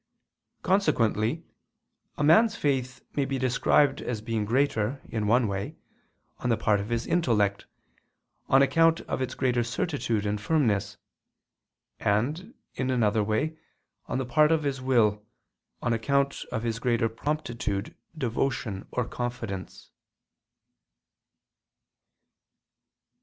Consequently a man's faith may be described as being greater, in one way, on the part of his intellect, on account of its greater certitude and firmness, and, in another way, on the part of his will, on account of his greater promptitude, devotion, or confidence.